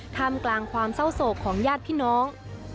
ทำกลางความเศร้าโศกของญาติพี่น้อง